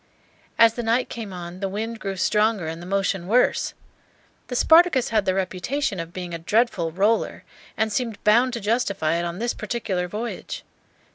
As the night came on, the wind grew stronger and the motion worse. The "Spartacus" had the reputation of being a dreadful "roller," and seemed bound to justify it on this particular voyage.